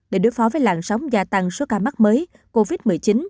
để đối phó với làn sóng gia tăng số ca mắc mới covid một mươi chín